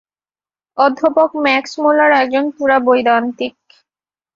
অধ্যপক Max Müller একজন পুরা বৈদান্তিক।